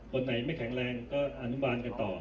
คนไหนไม่แข็งแรงก็อนุบาลกันต่อ